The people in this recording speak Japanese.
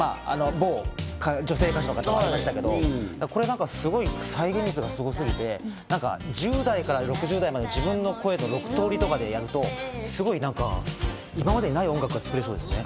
某女性歌手の方ありましたけど、これ再現率がすごすぎて、１０代から６０代まで６通りとかでやると、今までにない音楽がつくれそうですね。